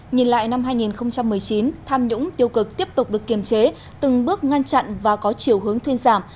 nhìn lại năm hai nghìn một mươi chín tham nhũng tiêu cực tiếp tục được kiềm chế từng bước ngăn chặn và có chiều hướng thuyên giảm